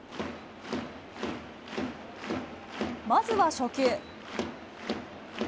まずは初球。